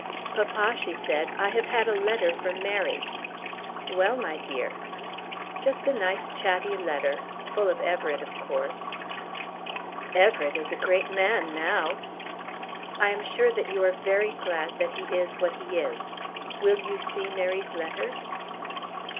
"Papa," she said, "I have had a letter from Mary." "Well, my dear." "Just a nice chatty letter, full of Everett, of course." "Everett is a great man now." "I am sure that you are very glad that he is what he is. Will you see Mary's letter?"